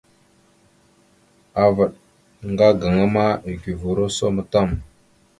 Avaɗ ŋga gaŋa ma eguvoróosom tam.